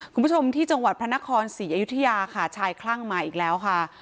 คุณผู้ชมที่จังหวัดพระนครศรีอยุธยาค่ะชายคลั่งมาอีกแล้วค่ะ